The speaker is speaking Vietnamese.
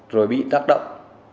rồi bị tăng